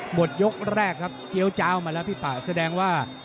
หมดยกแรกครับเกี้ยวเจ้ามาแล้วพี่ป่า